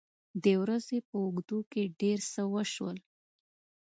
د ورځې په اوږدو کې ډېر څه وشول.